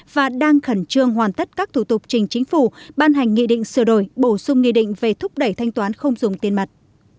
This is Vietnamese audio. và đang khẩn trương hoàn tất các thủ tục trình chính phủ ban hành nghị định sửa đổi bổ sung nghị định về thúc đẩy thanh toán không dùng tiền mặt